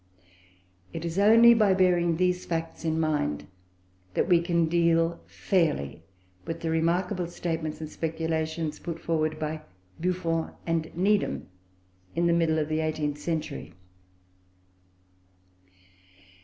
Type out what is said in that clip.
It is only by bearing these facts in mind, that we can deal fairly with the remarkable statements and speculations put forward by Buffon and Needham in the middle of the eighteenth century.